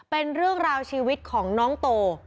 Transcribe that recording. เป็นเรื่องราวชีวิตของน้องโต